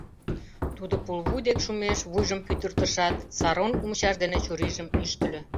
— тудо пулвуй дек шумеш вуйжым пӱтыртышат, саронг мучаш дене чурийжым ӱштыльӧ.